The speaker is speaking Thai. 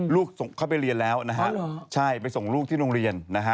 ลูกผมเข้าไปเรียนแล้วใช่ไปส่งลูกที่โรงเรียน